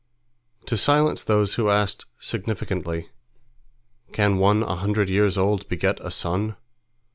To silence those who asked significantly, "Can one a hundred years old beget a son?"